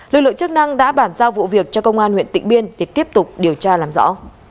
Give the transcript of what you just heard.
lực lượng chức năng đã bản giao vụ việc cho công an huyện tịnh biên để tiếp tục điều tra làm rõ